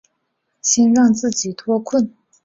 先让自己脱困